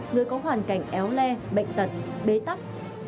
người có hoàn cảnh éo le bệnh tật bế tắc